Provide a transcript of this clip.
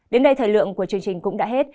đến đây thời lượng của chương trình cũng đã hết